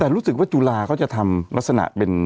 แต่รู้สึกว่าจุฬาเขาจะทำลักษณะเป็น